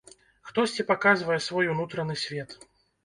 Хтосьці паказвае свой унутраны свет.